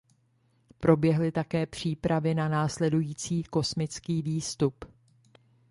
Proběhly také přípravy na následující kosmický výstup.